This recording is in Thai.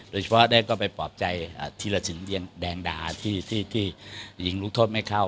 โดยเฉพาะได้ก็ไปปลอบใจธีรสินแดงดาที่ยิงลูกโทษไม่เข้า